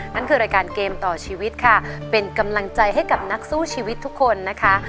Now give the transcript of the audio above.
นั่นคือรายการเกมต่อชีวิตค่ะเป็นกำลังใจให้กับนักสู้ชีวิตทุกคนนะคะ